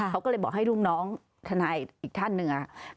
เขาก็เลยบอกให้ลูกน้องทนายอีกท่านหนึ่ง